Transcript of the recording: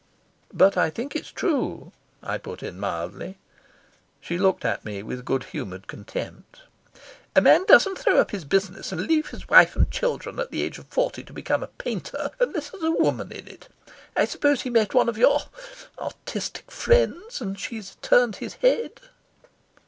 "But I think it's true," I put in mildly. She looked at me with good humoured contempt. "A man doesn't throw up his business and leave his wife and children at the age of forty to become a painter unless there's a woman in it. I suppose he met one of your artistic friends, and she's turned his head."